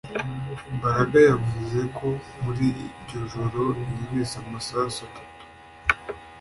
Mbaraga yavuze ko muri iryo joro yumvise amasasu atatu